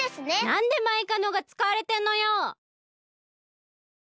なんでマイカのがつかわれてんのよ！